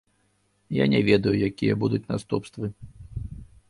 Я не ведаю, якія будуць наступствы.